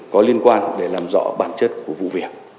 có liên quan để làm rõ bản chất của vụ việc